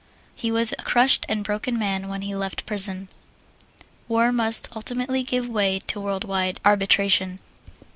He was a crushed and broken man when he left prison. War must ultimately give way to world wide arbitration.